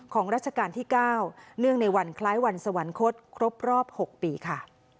ของราชกาลที่เก้าเนื่องในวันคล้ายวันสวรรคศครบรอบหกปีค่ะ